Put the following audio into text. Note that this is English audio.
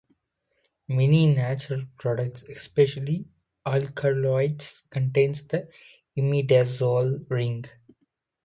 Many natural products, especially alkaloids, contain the imidazole ring.